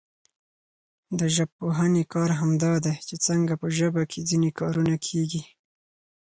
د ژبپوهني کار همدا دئ، چي څنګه په ژبه کښي ځیني کارونه کېږي.